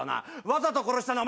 わざと殺したな？